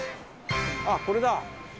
あっこれだ。